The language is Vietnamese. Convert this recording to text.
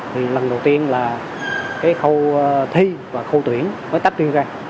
thì lần đầu tiên là cái khâu thi và khâu tuyển với tách riêng ra